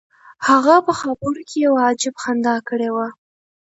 هغه په خاپوړو کې یو عجیب خندا کړې وه